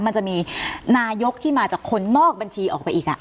มันจะมีนายกที่มาจากคนนอกบัญชีออกไปอีก